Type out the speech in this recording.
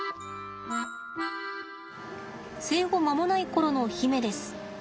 生後間もない頃の媛です。